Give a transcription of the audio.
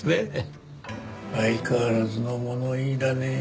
相変わらずの物言いだねえ